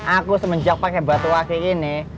aku semenjak pake batu akik ini